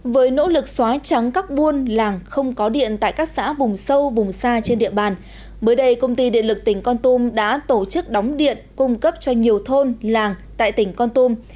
với nỗ lực xóa trắng các buôn làng không có điện tại các xã vùng sâu vùng xa trên địa bàn mới đây công ty điện lực tỉnh con tum đã tổ chức đóng điện cung cấp cho nhiều thôn làng tại tỉnh con tum